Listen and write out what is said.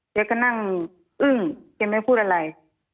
แกก็นั่งอึ้งแกไม่พูดอะไร